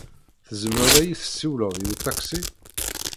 Tzemreḍ ad yi-tessiwleḍ i uṭaksi?